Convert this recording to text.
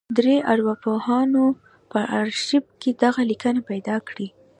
درې ارواپوهانو په ارشيف کې دغه ليکنې پیدا کړې.